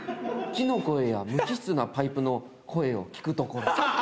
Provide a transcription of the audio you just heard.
木の声や無機質なパイプの声を聞くところ。